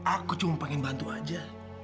aku cuma pengen bantu aja